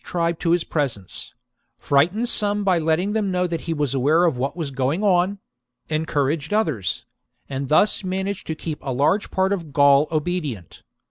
tribe to his presence ; frightened some by letting them know that he was aware of what was going on ; encouraged others ; and thus managed to keep a large part of Gaul obedient.